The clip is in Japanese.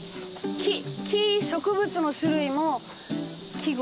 木植物の種類も季語